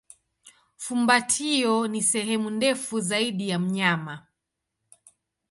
Fumbatio ni sehemu ndefu zaidi ya mnyama.